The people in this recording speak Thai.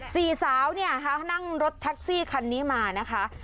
สี่สาวเนี่ยเขานั่งรถแท็กซี่คันนี้มานะคะ